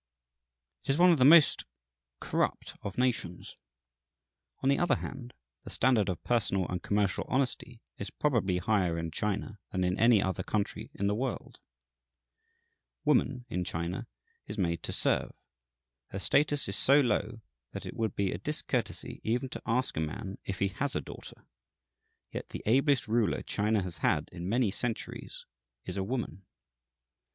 It is one of the most corrupt of nations; on the other hand, the standard of personal and commercial honesty is probably higher in China than in any other country in the world. Woman, in China, is made to serve; her status is so low that it would be a discourtesy even to ask a man if he has a daughter: yet the ablest ruler China has had in many centuries is a woman.